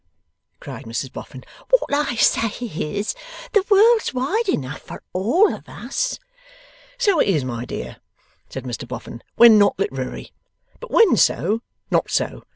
cried Mrs Boffin. 'What I say is, the world's wide enough for all of us!' 'So it is, my dear,' said Mr Boffin, 'when not literary. But when so, not so.